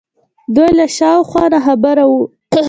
دوی له شا و خوا ناخبره وو